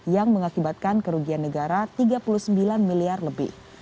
yang mengakibatkan kerugian negara tiga puluh sembilan miliar lebih